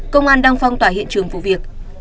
công an đang phong tỏa hiện trường vụ việc